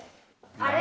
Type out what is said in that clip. あれ？